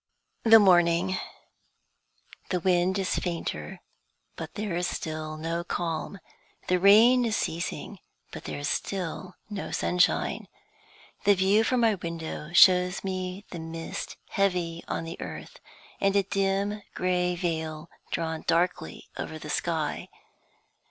THE MORNING. THE wind is fainter, but there is still no calm. The rain is ceasing, but there is still no sunshine. The view from my window shows me the mist heavy on the earth, and a dim gray veil drawn darkly over the sky.